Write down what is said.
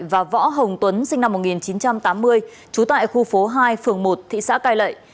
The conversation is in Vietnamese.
và võ hồng tuấn sinh năm một nghìn chín trăm tám mươi trú tại khu phố hai phường một thị xã cai lệ